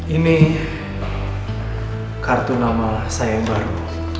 ini kartu nama saya yang baru